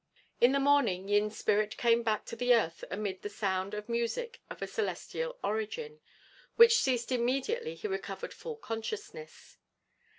In the morning Yin's spirit came back to the earth amid the sound of music of a celestial origin, which ceased immediately he recovered full consciousness.